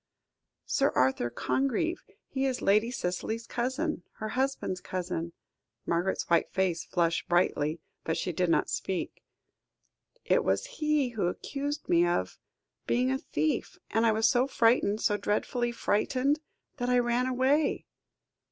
"Sir Arthur Congreve. He is Lady Cicely's cousin her husband's cousin." Margaret's white face flushed brightly, but she did not speak. "It was he who accused me of being a thief; and I was so frightened, so dreadfully frightened, that I ran away."